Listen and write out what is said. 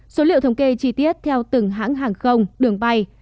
số liệu thống kê chi tiết theo từng hãng hàng không đường bay